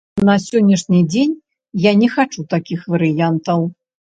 На сённяшні дзень я не хачу такіх варыянтаў.